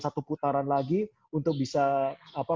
satu putaran lagi untuk bisa apa